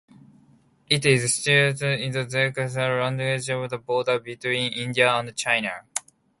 It is situated in the Zanskar Range on the border between India and China.